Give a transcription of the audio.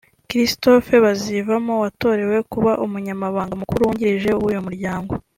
Christophe Bazivamo watorewe kuba Umunyamabanga Mukuru Wungirije w’uyu muryango